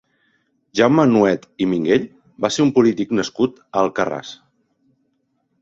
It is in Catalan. Jaume Nuet i Minguell va ser un polític nascut a Alcarràs.